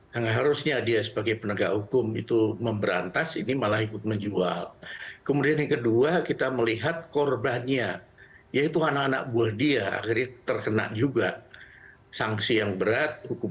yang harusnya dia sebagai penegak